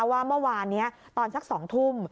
ว่าเมื่อวานนี้ตอนสัก๒ทุ่ม